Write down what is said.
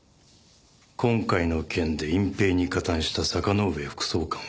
今回の件で隠蔽に加担した坂之上副総監は失脚した。